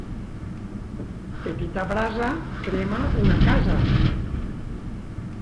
Petita brasa crema una casa.